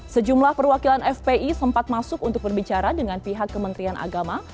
sejumlah perwakilan fpi sempat masuk untuk berbicara dengan pihak kementerian agama